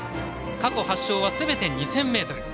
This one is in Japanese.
過去８勝はすべて２０００ｍ。